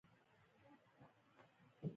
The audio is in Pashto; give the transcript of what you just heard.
ځغاسته د وجود انعطاف زیاتوي